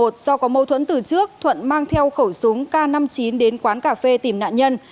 do có mâu thuẫn từ trước thuận mang theo khẩu súng k năm mươi chín đến quán cà phê tìm nạn nhân